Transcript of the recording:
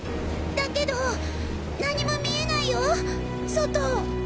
だけど何も見えないよ外。